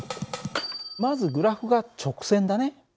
まずグラフが直線だね。